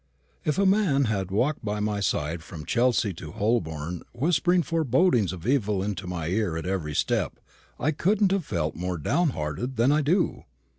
If a man had walked by my side from Chelsea to Holborn whispering forebodings of evil into my ear at every step, I couldn't have felt more downhearted than I do."